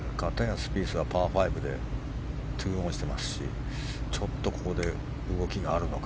スピースはパー５で２オンしていますしちょっとここで動きがあるのか。